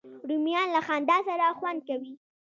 رومیان له خندا سره خوند کوي